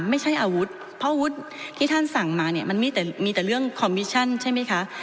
ไม่ใช่อาวุธเพราะอาวุธที่ท่านสั่งมาเนี่ยมันมีแต่มีแต่เรื่องคอมมิชั่นใช่ไหมคะ